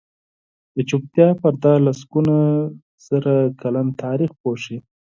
د چوپتیا پرده لسګونه زره کلن تاریخ پوښي.